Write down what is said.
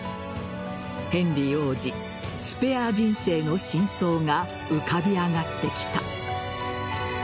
ヘンリー王子スペア人生の真相が浮かび上がってきた。